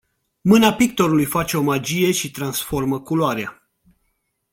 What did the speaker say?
Mâna pictorului face o magie și transformă culoarea.